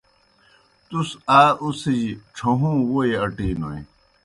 تُس آ اُڅِھجیْ ڇھہُوں ووئی اٹِینوئے۔